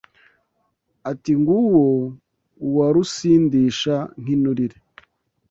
Ati Nguwo uwa Rusindisha nk,inturire